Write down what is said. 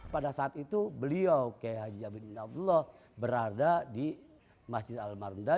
pada saat itu beliau qiyai haji jami'in bin abdullah berada di masjid al marunda